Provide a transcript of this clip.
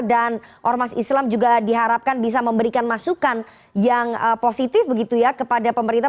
dan ormas islam juga diharapkan bisa memberikan masukan yang positif begitu ya kepada pemerintah